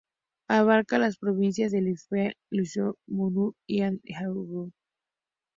Abarca las provincias de Lieja, Luxemburgo, Namur y Hainaut.